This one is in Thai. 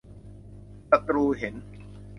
ศัตรูเห็น !